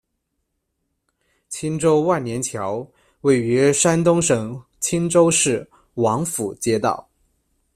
青州万年桥，位于山东省青州市王府街道。